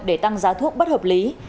để tăng giá thuốc bất hợp lý